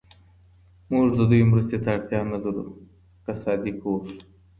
موږ د دوی مرستې ته اړتیا نه لرو که صادق واوسو.